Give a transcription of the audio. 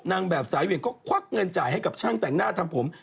นางแบบสายเวียงก็ควักเงินจ่ายให้กับช่างแต่งหน้าทำผม